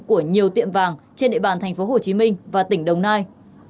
của nhiều tiệm vàng trên địa bàn tp hcm và tỉnh đồng nai